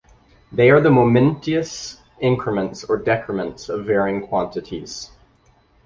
They are the momentaneous increments or decrements of varying quantities.